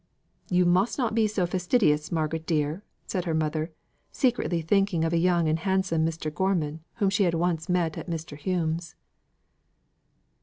"You must not be so fastidious, Margaret, dear!" said her mother, secretly thinking of a young and handsome Mr. Gormon whom she had once met at Mr. Hume's.